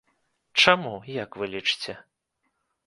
Чаму, як вы лічыце?